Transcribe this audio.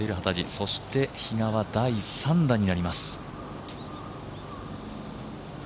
そして比嘉は第３打になります。